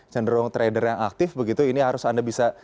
cenderung trader yang aktif begitu ini harus anda bisa